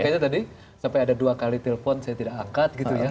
makanya tadi sampai ada dua kali telpon saya tidak angkat gitu ya